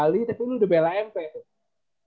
dari bali tapi lu udah bela mp tuh